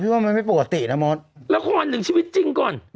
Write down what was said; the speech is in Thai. ไม่รู้ว่าโทรศัพท์แบตเข้าหมดแล้วคุยกันเดียวหรือเปล่า